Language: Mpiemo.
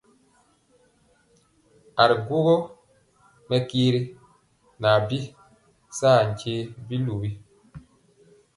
Aa ri gwogɔ mɛkyɛri na bii sa nyɛ biluwi.